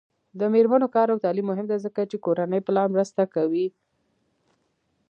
د میرمنو کار او تعلیم مهم دی ځکه چې کورنۍ پلان مرسته کوي.